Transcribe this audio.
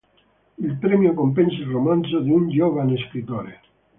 Il premio compensa il romanzo di un giovane scrittore.